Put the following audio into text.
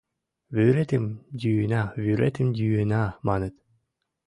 Вӱретым йӱына, вӱретым йӱына», — маныт.